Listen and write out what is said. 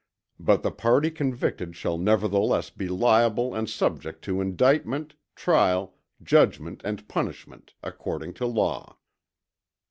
But the party convicted shall nevertheless be liable and subject to indictment, trial, judgment and punishment, according to law.